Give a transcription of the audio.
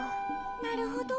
なるほど。